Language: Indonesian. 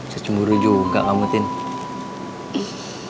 secumburu juga kamu tini